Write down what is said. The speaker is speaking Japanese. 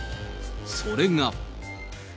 それが。